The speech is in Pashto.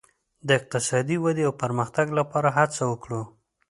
د اقتصادي ودې او پرمختګ لپاره هڅه وکړو.